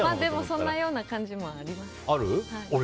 そんなような感じもあります。